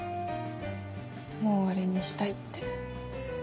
「もう終わりにしたい」って。